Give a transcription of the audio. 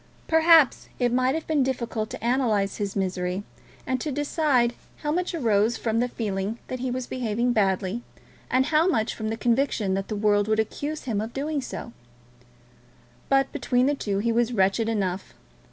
Perhaps it might have been difficult to analyse his misery, and to decide how much arose from the feeling that he was behaving badly, and how much from the conviction that the world would accuse him of doing so; but, between the two, he was wretched enough.